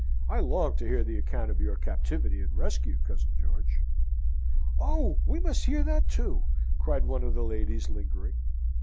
I long to hear the account of your captivity and rescue, cousin George!" "Oh, we must hear that too!" cried one of the ladies, lingering.